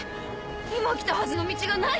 今来たはずの道がない！